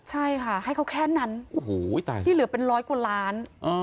ใช่ค่ะให้เขาแค่นั้นที่เหลือเป็นร้อยกว่าล้าน